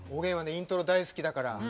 イントロ大好きだから。